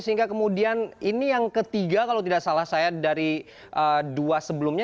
sehingga kemudian ini yang ketiga kalau tidak salah saya dari dua sebelumnya